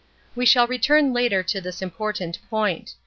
We shall return later to this import ant point.